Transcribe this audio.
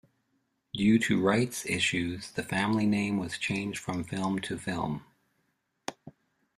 Due to rights issues, the family name was changed from film to film.